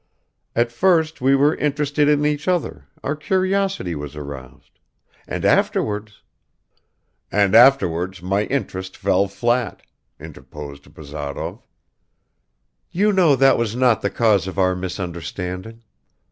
at first we were interested in each other, our curiosity was aroused ... and afterwards. .." "And afterwards my interest fell flat," interposed Bazarov. "You know that was not the cause of our misunderstanding.